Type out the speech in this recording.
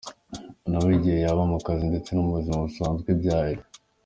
nawe igihe yaba mu kazi ndetse no mu buzima busanzwe ibyari